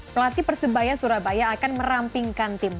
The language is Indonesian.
pelatih persebaya surabaya akan merampingkan tim